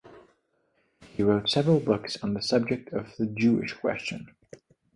He wrote several books on the subject of the "Jewish Question".